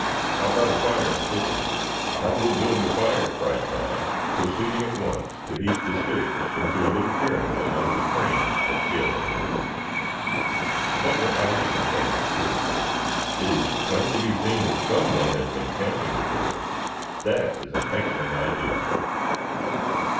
How about a fire for cooking?" "I will build the fire," cried Tad, proceeding at once to heap the sticks into a little pyramid under the crane that Cale had arranged. Butler eyed the contrivance critically. "It is plain to be seen that someone has been camping before. That is an excellent idea."